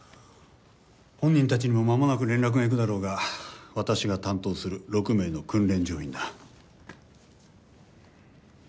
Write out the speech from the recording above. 本人たちにもまもなく連絡がいくだろうが私が担当する６名の訓練乗員だ。